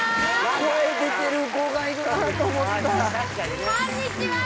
声出てる子がいるなと思ったら確かにねこんにちはー！